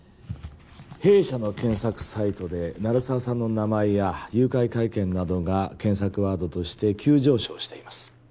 弊社の検索サイトで鳴沢さんの名前や誘拐会見などが検索ワードとして急上昇しています